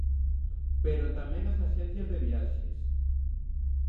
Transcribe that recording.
Pero tamén as axencias de viaxes.